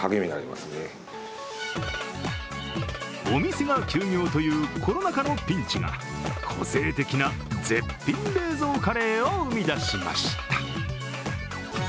お店が休業というコロナ禍のピンチが個性的な絶品冷蔵カレーを生み出しました。